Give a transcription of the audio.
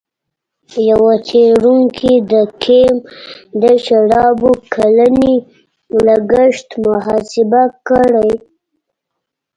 یوه څېړونکي د کیم د شرابو کلنی لګښت محاسبه کړی.